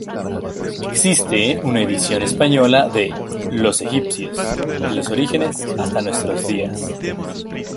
Existe una edición española de "Los egipcios: de los orígenes hasta nuestros días".